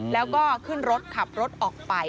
แล้วก็ขึ้นรถขับรถออกไป